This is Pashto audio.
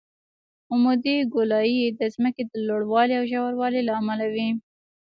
عمودي ګولایي د ځمکې د لوړوالي او ژوروالي له امله وي